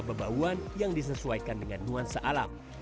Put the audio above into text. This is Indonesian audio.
bebauan yang disesuaikan dengan nuansa alam